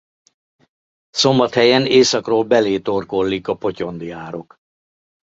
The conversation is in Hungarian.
Szombathelyen északról belé torkollik a Potyondi-árok.